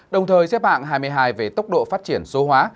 đồng thời xếp hạng hai mươi hai về tốc độ phát triển số hóa